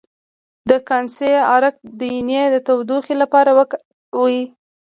د کاسني عرق د ینې د تودوخې لپاره وکاروئ